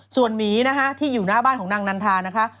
ส่วนหมีนะคะที่อยู่หน้าบ้านของนางนันทานะคะ